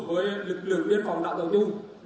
với lực lượng biên phòng đạo tàu chung